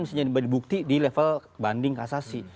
misalnya dibuktikan di level banding kasasi